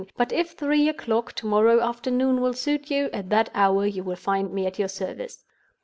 But if three o'clock to morrow afternoon will suit you, at that hour you will find me at your service.